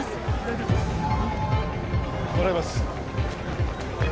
うん？もらいます